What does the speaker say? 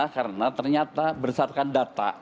karena ternyata bersatukan data